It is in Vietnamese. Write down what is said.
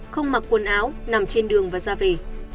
không mặc quần áo nằm trên đường và ra về